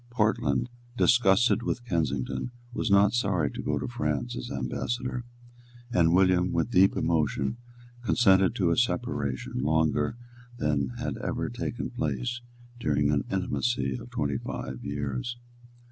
Portland, disgusted with Kensington, was not sorry to go to France as ambassador; and William with deep emotion consented to a separation longer than had ever taken place during an intimacy of twenty five years.